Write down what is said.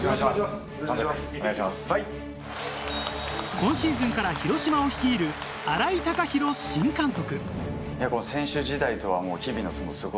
今シーズンから広島を率いる新井貴浩新監督。